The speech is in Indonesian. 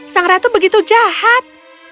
sang ratu begitu jahat